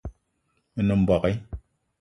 Me nem mbogue